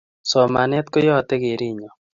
Somanet koyate kerenyo